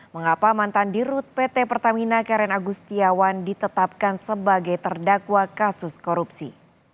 mengapa mantan dirut pt pertamina karen agustiawan ditetapkan sebagai terdakwa kasus korupsi